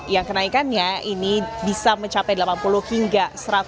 yang kenaikannya ini bisa mencapai delapan puluh hingga seratus